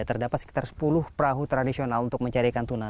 terdapat sekitar sepuluh perahu tradisional untuk mencari ikan tuna